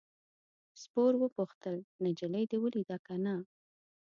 سپور وپوښتل نجلۍ دې ولیده که نه.